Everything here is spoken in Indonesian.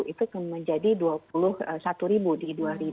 itu menjadi dua puluh satu ribu di dua ribu dua puluh